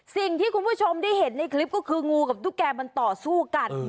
สิ่งที่คุณผู้ชมได้เห็นในคลิปก็คืองูกับตุ๊กแก่มันต่อสู้กัน